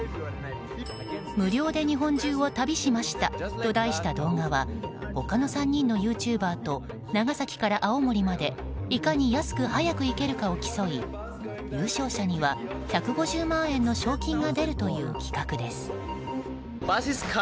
「無料で日本中を旅しました」と題した動画は他の３人のユーチューバーと長崎から青森までいかに安く早く行けるかを競い優勝者には１５０万円の賞金が出るという企画です。